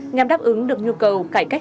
nhằm đáp ứng được nhu cầu cải cách